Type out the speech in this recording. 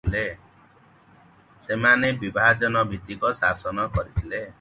ସେମାନେ ବିଭାଜନଭିତ୍ତିକ ଶାସନ କରିଥିଲେ ।